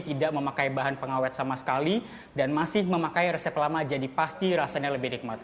tidak memakai bahan pengawet sama sekali dan masih memakai resep lama jadi pasti rasanya lebih nikmat